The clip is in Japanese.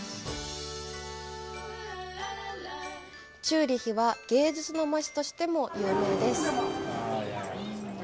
チューリヒは芸術の街としても有名です。